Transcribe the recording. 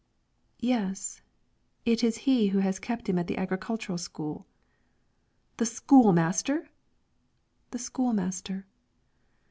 "Yes; it is he who has kept him at the agricultural school." "The school master?" "The school master."